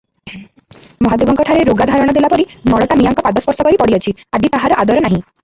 ମହାଦେବଙ୍କଠାରେ ରୋଗା ଧାରଣ ଦେଲାପରି ନଳଟା ମିଆଁଙ୍କ ପାଦ ସ୍ପର୍ଶକରି ପଡ଼ିଅଛି, ଆଜି ତାହାର ଆଦର ନାହିଁ ।